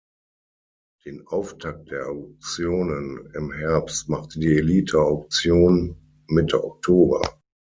Den Auftakt der Auktionen im Herbst macht die Elite-Auktion Mitte Oktober.